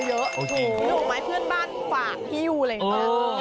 หูยดูหรือไหมเพื่อนบ้านฝ่าฮิวอะไรกัน